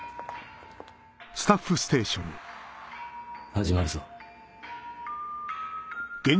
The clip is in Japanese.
始まるぞ。